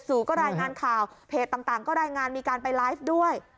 สู่ก็รายงานข่าวเพจต่างก็รายงานมีการไปไลฟ์ด้วย